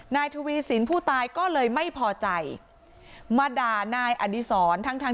นายธุวิศิลป์ผู้ตายก็เลยไม่พอใจมาด่านายอาธิร์สรทั้ง